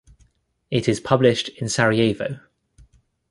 It is published in Sarajevo.